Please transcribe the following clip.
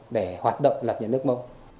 để hoạt động lập nhà nước mâu